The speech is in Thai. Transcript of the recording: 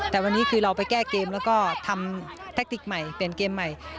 แต่วันนี้คือเราไปแก้เกมแล้วก็ทำแทคติกใหม่เปลี่ยนเกมใหม่